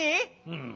うん。